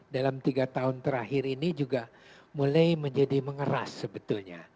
dalam tiga tahun terakhir ini juga mulai menjadi mengeras sebetulnya